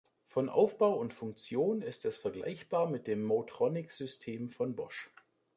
Von Aufbau und Funktion ist es vergleichbar mit dem Motronic-System von Bosch.